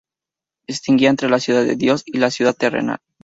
Distinguía entre la ciudad de Dios y la ciudad terrenal.